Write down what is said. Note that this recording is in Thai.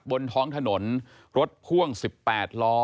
บนท้องถนนรถพ่วง๑๘ล้อ